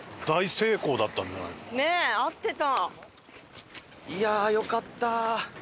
ねえ合ってた。